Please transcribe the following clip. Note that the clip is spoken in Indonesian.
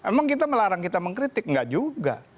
emang kita melarang kita mengkritik enggak juga